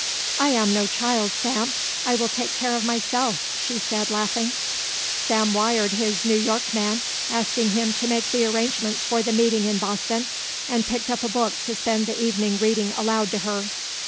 "I am no child, Sam. I will take care of myself," she said, laughing. Sam wired his New York man asking him to make the arrangements for the meeting in Boston and picked up a book to spend the evening reading aloud to her.